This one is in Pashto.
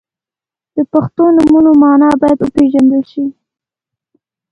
• د پښتو نومونو مانا باید وپیژندل شي.